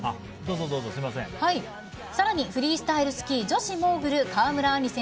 更に、フリースタイルスキー女子モーグル川村あん